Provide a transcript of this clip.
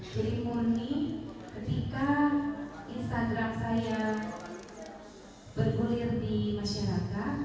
jadi ngomongin ketika instagram saya bergulir di masyarakat